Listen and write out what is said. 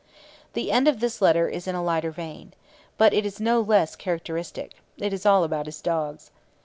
The end of this letter is in a lighter vein. But it is no less characteristic: it is all about his dogs.